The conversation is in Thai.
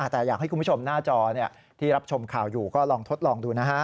แต่อยากให้คุณผู้ชมหน้าจอที่รับชมข่าวอยู่ก็ลองทดลองดูนะฮะ